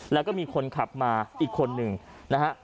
แล้วก็มีคนขับมาอีกคนนึงนะฮะ